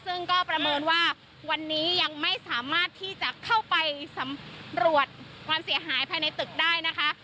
ซึ่งก็ประเมินว่าวันนี้ยังไม่สามารถที่จะเข้าไปสำรวจความเสียหายภายในตึกได้นะคะ